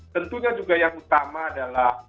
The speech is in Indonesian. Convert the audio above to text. tentunya juga yang utama adalah